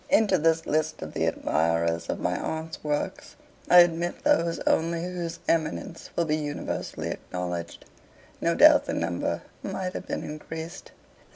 Into this list of the admirers of my Aunt's works, I admit those only whose eminence will be universally acknowledged. No doubt the number might have been increased.